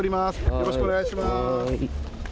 よろしくお願いします。